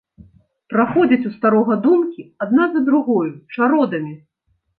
Праходзяць у старога думкі адна за другою чародамі.